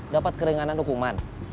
dapat keringanan hukuman